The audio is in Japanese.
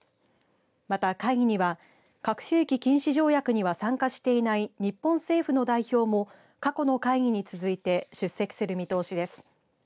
また会議には核兵器禁止条約には参加していない日本政府の代表も過去の会議に続いて出席する見通しです。